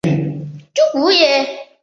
去柔然迎文帝悼皇后郁久闾氏。